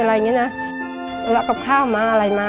แล้วก็ข้าวมาอะไรมา